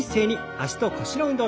脚と腰の運動。